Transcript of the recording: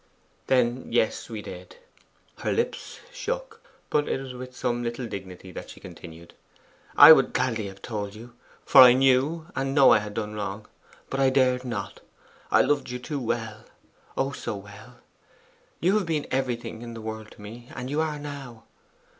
'Then, yes, we did.' Her lips shook; but it was with some little dignity that she continued: 'I would gladly have told you; for I knew and know I had done wrong. But I dared not; I loved you too well. Oh, so well! You have been everything in the world to me and you are now.